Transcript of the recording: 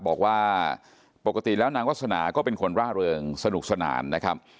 บอกว่าปกติแล้วนางวาสนาก็เป็นคนร่าเริงสนุกสนานนะครับ